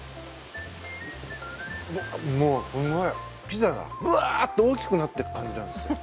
ピザがぶわっと大きくなってく感じなんですよ。